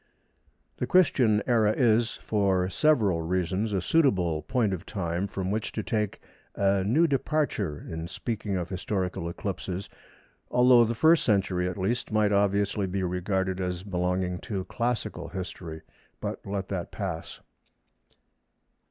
The Christian Era is, for several reasons, a suitable point of time from which to take a new departure in speaking of historical eclipses, although the First Century, at least, might obviously be regarded as belonging to classical history—but let that pass.